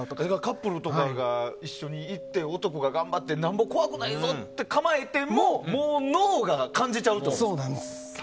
カップルとかが一緒に行って男が頑張ってなんぼ怖くないぞって構えてももう脳が感じちゃうと。